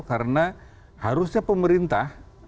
karena harusnya pemerintah